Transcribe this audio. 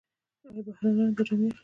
آیا بهرنیان دا جامې اخلي؟